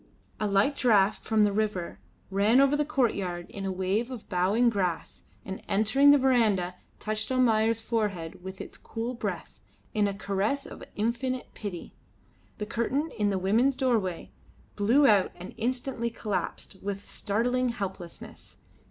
A light draught from the river ran over the courtyard in a wave of bowing grass and, entering the verandah, touched Almayer's forehead with its cool breath, in a caress of infinite pity. The curtain in the women's doorway blew out and instantly collapsed with startling helplessness.